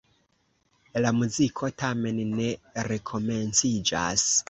La muziko tamen ne rekomenciĝas.